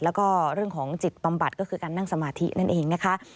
แล้วก็เรื่องของจิตบำบัดก็คือการนั่งสมาธินั่นเองนะคะ